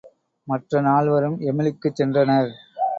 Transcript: மற்ற நால்வரும் எமிலிக்குச் சென்றனர்.